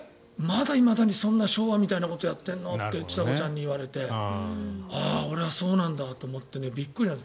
いまだにそんな昭和みたいなことやってるのってちさ子ちゃんに言われて俺はそうなんだと思ってねびっくりした。